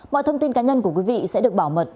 mọi thông tin cá nhân của quý vị sẽ được bảo mật